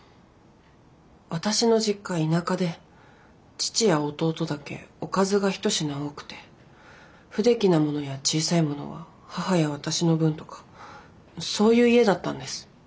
私の実家田舎で父や弟だけおかずが一品多くて不出来なものや小さいものは母や私の分とかそういう家だったんです。